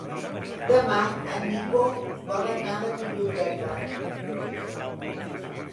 Demà en Nico vol anar a la biblioteca.